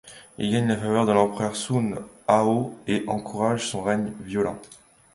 Il gagne la faveur de l’empereur Sun Hao et encourage son règne violent.